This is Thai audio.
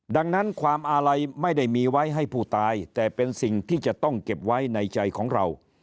ดังนั้นความอาลัยไม่ได้มีไว้ให้ผู้ตายแต่เป็นสิ่งที่จะต้องเก็บไว้ในใจของเรา